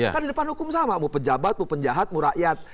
kan di depan hukum sama mau pejabat mau penjahat mau rakyat